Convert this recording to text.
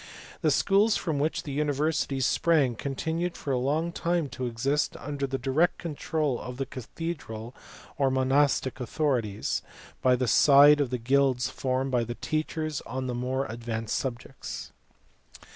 The schools from which the universities sprang con tinued for a long time to exist under the direct control of the cathedral or monastic authorities, by the side of the guilds formed by the teachers on the more advanced subjects.